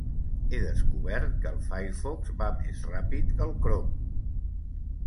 He descobert que el Firefox va més ràpid que el Chrome.